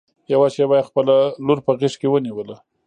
يوه شېبه يې خپله لور په غېږ کې ونيوله.